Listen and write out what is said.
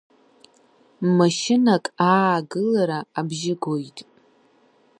Машьынак аагылара абжьы гоит.